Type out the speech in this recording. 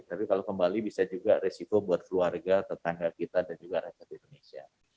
tapi kalau kembali bisa juga resiko buat keluarga tetangga kita dan juga rakyat indonesia